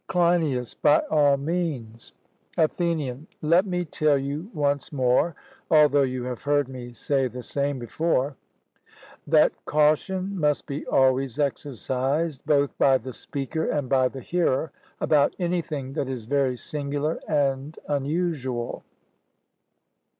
CLEINIAS: By all means. ATHENIAN: Let me tell you once more although you have heard me say the same before that caution must be always exercised, both by the speaker and by the hearer, about anything that is very singular and unusual.